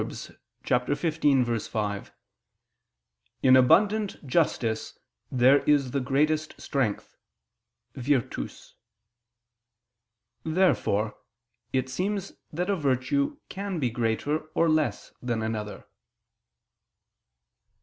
15:5): "In abundant justice there is the greatest strength (virtus)." Therefore it seems that a virtue can be greater or less than another.